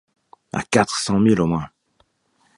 À quatre cents milles au moins...